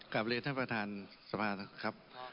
กลับเรียนท่านประธานสภานะครับ